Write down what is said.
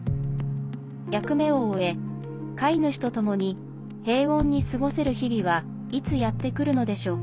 役目を終え、飼い主とともに平穏に過ごせる日々はいつやってくるのでしょうか。